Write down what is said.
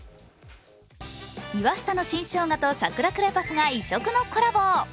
岩下の新生姜とサクラクレパスが異色のコラボ。